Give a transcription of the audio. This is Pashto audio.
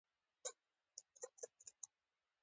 هغه څوک چې په بې شمېره لمرونو پټ دی.